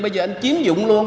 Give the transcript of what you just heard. bây giờ anh chiếm dụng luôn